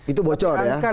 itu bocor ya